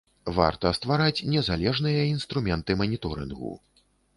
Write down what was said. Варта ствараць незалежныя інструменты маніторынгу.